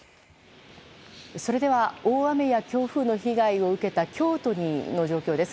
それでは大雨や強風の被害を受けた京都の状況です。